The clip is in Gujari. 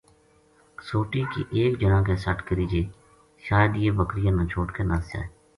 سوٹی کی ایک جنا کے سَٹ کری جے شاید یہ بکریاں نا چھوڈ کے نس جائے